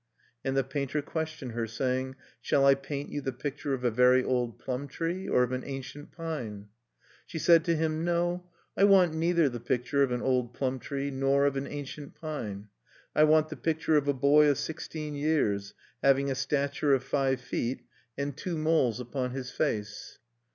And the painter questioned her, sayings "Shall I paint you the picture of a very old plum tree, or of an ancient pine?" She said to him; "No: I want neither the picture of an old plum tree nor of an ancient pine. I want the picture of a boy of sixteen years, having a stature of five feet, and two moles upon his face."